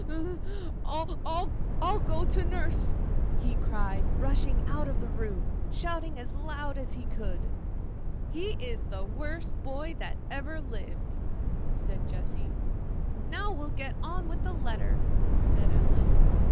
'I'll go to nurse!' he cried, rushing out of the room, shouting as loud as he could. 'He is the worst boy that ever lived!' said Jessy. 'Now we'll get on with the letter,' said Ellen.